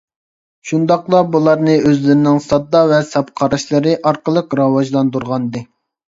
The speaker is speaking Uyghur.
شۇنداقلا بۇلارنى ئۆزلىرىنىڭ ساددا ۋە ساپ قاراشلىرى ئارقىلىق راۋاجلاندۇرغانىدى.